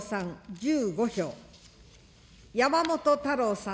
１５票、山本太郎さん